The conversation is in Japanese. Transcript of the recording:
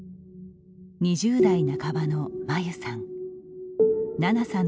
２０代半ばのまゆさん。